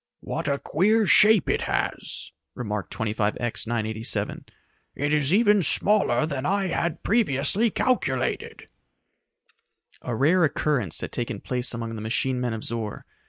"What a queer shape it has," remarked 25X 987. "It is even smaller than I had previously calculated." A rare occurrence had taken place among the machine men of Zor.